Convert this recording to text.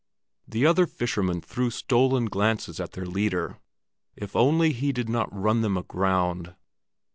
The other fishermen threw stolen glances at their leader. If only he did not run them aground!